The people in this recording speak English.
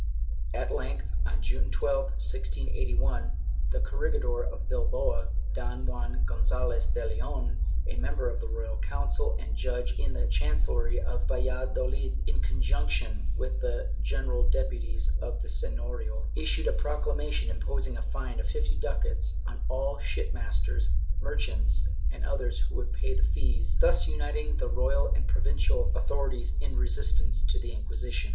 At length, on June 12, 1681, the corregidor of Bilbao, Don Juan Gonzalez de Leon, a member of the Royal Council and judge in the Chancellery of Valladolid, in conjunction with the General Deputies of the Seiiorio, issued a proclamation imposing a fine of fifty ducats on all shipmasters, merchants and others who should pay the fees, thus uniting the royal and pro vincial authorities in resistance to the Inquisition.